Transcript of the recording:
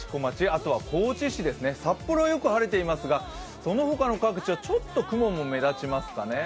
あとは高知市ですね、札幌よく晴れていますが、その他の各地はちょっと雲も目立ちますかね。